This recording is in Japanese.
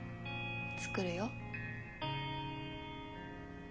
作るよ。